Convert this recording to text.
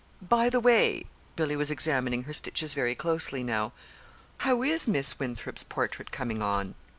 "By the way," Billy was examining her stitches very closely now "how is Miss Winthrop's portrait coming on?"